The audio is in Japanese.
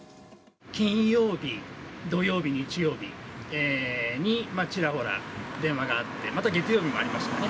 金曜日、土曜日、日曜日にちらほら電話があって、また月曜日もありましたね。